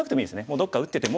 どっか打ってても。